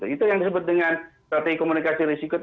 itu yang disebut dengan strategi komunikasi risiko